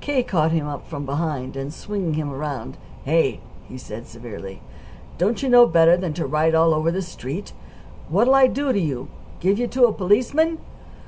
K. caught him up from behind, and, swinging him around "Hey!" he said severely. "Don't you know better than to write all over the street? What'll I do to you? Give you to a policeman?"